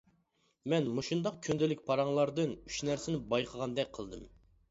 مەن مۇشۇنداق كۈندىلىك پاراڭلاردىن ئۈچ نەرسىنى بايقىغاندەك قىلدىم.